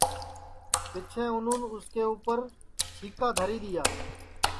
پیچھیں اُنون اُس کے اُپر چھیکا دھری دؔیا